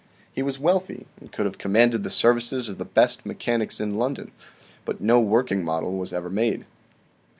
He was wealthy and could have commanded the services of the best mechanics in London, but no working model was ever made.